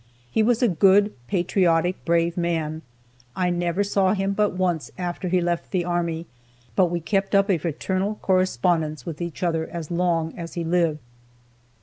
He was a good, patriotic, brave man. I never saw him but once after he left the army, but we kept up a fraternal correspondence with each other as long as he lived.